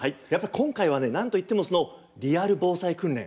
今回はね何と言っても「リアル防災訓練」。